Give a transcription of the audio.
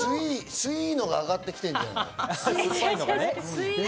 スィのが上がってきてんじゃない？